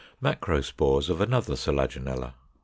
Macrospores of another Selaginella.